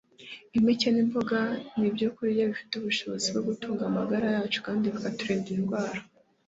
impeke n'imboga nk'ibyokurya bifite ubushobozi bwo gutunga amagara yacu kandi bikaturinda indwara